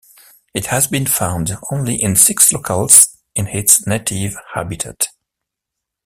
It has been found only in six locales in its native habitat.